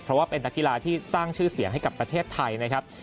เพราะว่าเป็นนักกีฬาที่สร้างชื่อเสียงให้กับประเทศไทยนะครับ